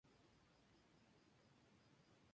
En la misma semana debutó en la posición No.